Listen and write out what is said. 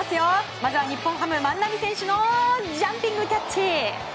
まずは日本ハム、万波選手のジャンピングキャッチ！